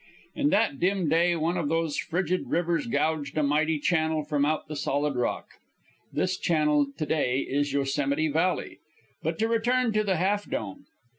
In that dim day one of those frigid rivers gouged a mighty channel from out the solid rock. This channel to day is Yosemite Valley. But to return to the Half Dome.